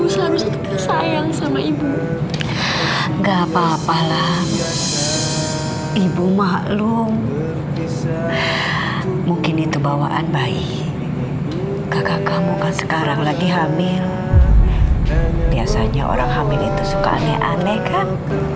selalu sayang sama ibu enggak papa lah ibu maklum mungkin itu bawaan bayi kakak kamu kan sekarang lagi hamil biasanya orang hamil itu suka aneh aneh kan